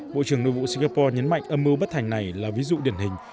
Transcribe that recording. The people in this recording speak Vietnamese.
bộ trưởng nội vụ singapore nhấn mạnh âm mưu bất thành này là ví dụ điển hình